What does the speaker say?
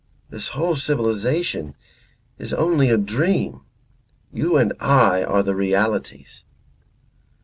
This whole civilization is only a dream. You and I are the realities."